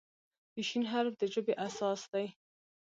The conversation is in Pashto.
د "ش" حرف د ژبې اساس دی.